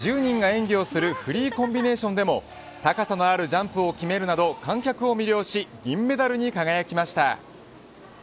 そして１０人が演技をするフリーコンビネーションでも高さのあるジャンプを決めるなど観客を魅了し銀メダルに輝きました。